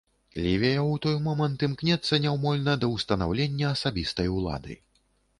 Лівія ў той момант імкнецца няўмольна да ўстанаўлення асабістай улады.